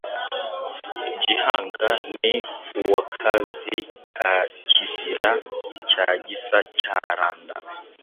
"Gihanga ni uwa Kazi ka Kizira cya Gisa cya Randa